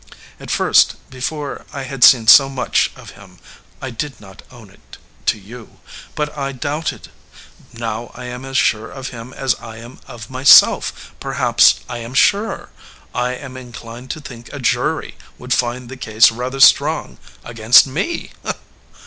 At first, before I had seen so much of him I did not own it to you but I doubted. Now I am as sure of him as I am of myself ; perhaps I am surer. I am inclined to think a jury would find the case rather strong against me."